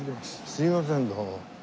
すみませんどうも。